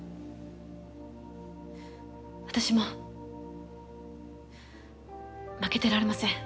私も負けてられません。